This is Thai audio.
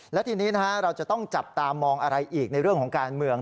และทีนี้เราจะต้องจับตามองอะไรอีกในเรื่องของการเมือง